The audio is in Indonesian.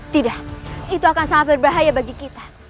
tidak itu akan sangat berbahaya bagi kita